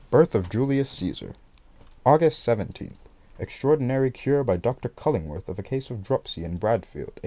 Birth of Julius Caesar. Aug. 17. Extraordinary cure by Dr. Cullingworth of a case of dropsy in Bradfield, 1881.